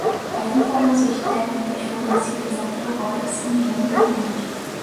As informações técnicas fornecidas até agora são muito ruins.